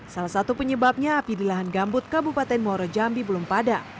salah satu penyebabnya api di lahan gambut kabupaten muara jambi belum pada